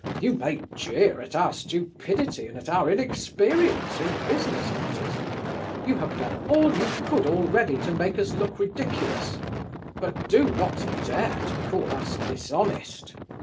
You may jeer at our stupidity and at our inexperience in business matters; you have done all you could already to make us look ridiculous; but do not dare to call us dishonest.